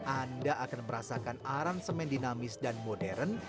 anda akan merasakan aransemen dinamis dan modern